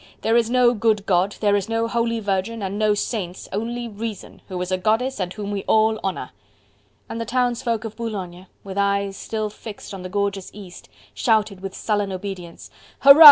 There is no good God, there is no Holy Virgin and no Saints, only Reason, who is a goddess and whom we all honour." And the townsfolk of Boulogne, with eyes still fixed on the gorgeous East, shouted with sullen obedience: "Hurrah!